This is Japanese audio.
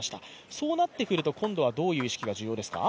そうなってくると、今度はどういう意識が重要ですか？